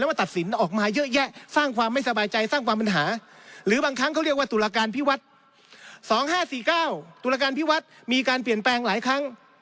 แล้วก็ตัดสินออกมาเยอะแยะสร้างความไม่สบายใจสร้างความปัญหา